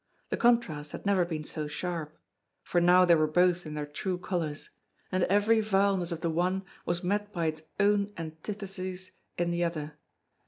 The contrast had never been so sharp; for now they were both in their true colours; and every vileness of the one was met by its own antithesis in the other.